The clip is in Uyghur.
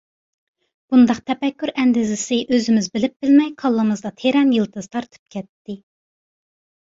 بۇنداق تەپەككۇر ئەندىزىسى ئۆزىمىز بىلىپ-بىلمەي كاللىمىزدا تىرەن يىلتىز تارتىپ كەتتى.